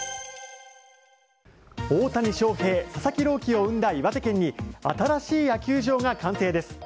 大谷翔平、佐々木朗希を生んだ岩手県に新しい野球場が完成です。